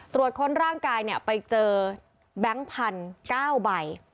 ตรวจค้นร่างกายไปเจอแบงค์พัน๙ใบ